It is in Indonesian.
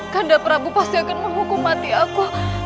kadar prabu pasti akan menghukum mati aku